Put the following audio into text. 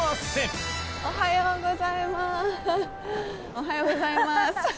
おはようございます。